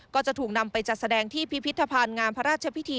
ก็จะถูกนำไปจัดแสดงที่พิพิธภัณฑ์งามพระราชพิธี